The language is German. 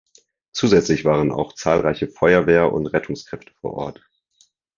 Zusätzlich waren auch zahlreiche Feuerwehr- und Rettungskräfte vor Ort.